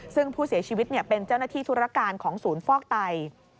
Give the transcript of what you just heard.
ซึ่งผู้เสียชีวิตเป็นเจ้าหน้าที่ธุรการของศูนย์ฟอกไต